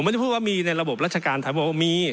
ผมไม่ได้พูดที่ว่ามีในระบบรัชการแถมได้ว่ามันมี